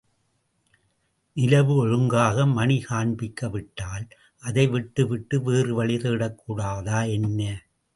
நிலவு ஒழுங்காக மணி காண்பிக்காவிட்டால், அதை விட்டு விட்டு வேறு வழி தேடக்கூடாதா என்ன?